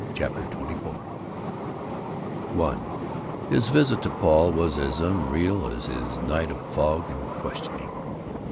CHAPTER XXIV I His visit to Paul was as unreal as his night of fog and questioning.